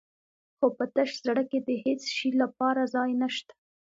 خو په تش زړه کې د هېڅ شي لپاره ځای نه شته.